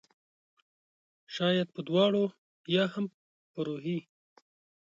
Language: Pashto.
شاید په دواړو ؟ یا هم په روحي